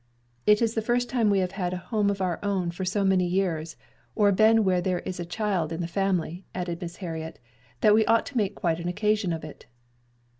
"It is the first time we have had a home of our own for so many years, or been where there is a child in the family," added Miss Harriet, "that we ought to make quite an occasion of it."